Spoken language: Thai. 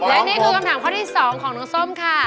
และนี่คือคำถามข้อที่๒ของน้องส้มค่ะ